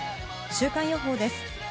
週間予報です。